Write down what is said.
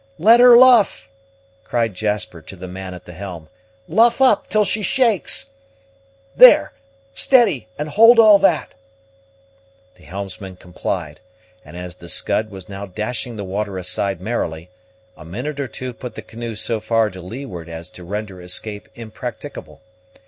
"Let her luff," cried Jasper to the man at the helm. "Luff up, till she shakes. There, steady, and hold all that." The helmsman complied; and, as the Scud was now dashing the water aside merrily, a minute or two put the canoe so far to leeward as to render escape impracticable.